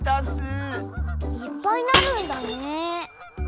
いっぱいなるんだねえ。